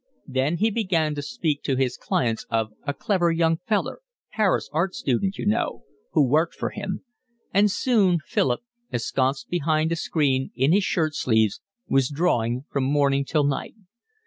Then he began to speak to his clients of a "clever young feller, Paris art student, you know," who worked for him; and soon Philip, ensconced behind a screen, in his shirt sleeves, was drawing from morning till night.